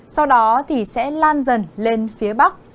sau đó thì sẽ lan dần lên phía bắc